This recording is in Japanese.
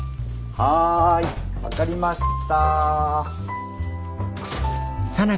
はい分かりました。